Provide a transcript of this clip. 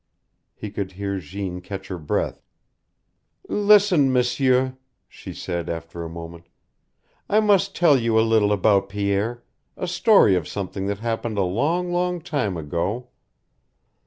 He could hear Jeanne catch her breath. "Listen, M'sieur,'" she said, after a moment. "I must tell you a little about Pierre, a story of something that happened a long, long time ago.